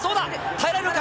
耐えられるか？